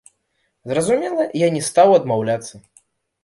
Зразумела, я не стаў адмаўляцца.